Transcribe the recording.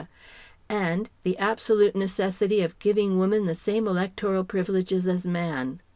and the absolute necessity of giving Woman the same electoral privileges as Man.